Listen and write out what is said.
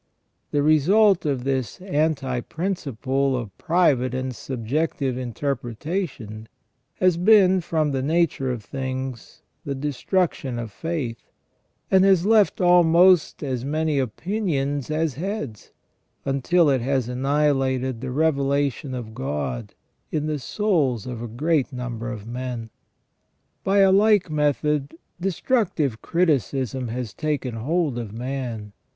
The result of this anti principle of private and sub jective interpretation has been, from the nature of things, the destruction of faith, and has left almost as many opinions as heads, until it has annihilated the revelation of God in the souls of a great number of men. By a like method destructive criticism has taken hold of man.